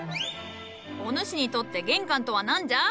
お主にとって玄関とは何じゃ？